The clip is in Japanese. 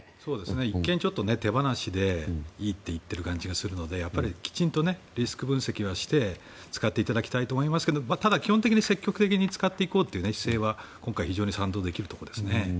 一見、手放しでいいと言っている気がするのできちんとリスク分析はして使っていただきたいと思いますけどただ基本的に積極的に使っていこうという姿勢は非常に賛同できるところですね。